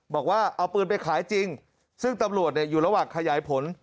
บอกว่าเอาปืนไปขายจริงซึ่งตำรวจอยู่ระหว่างขยายผล